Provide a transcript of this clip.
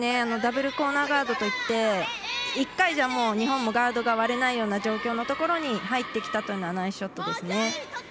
ダブルコーナーガードといって１回じゃ、日本もガードが割れないような状況のところに入ってきたというようなナイスショットですね。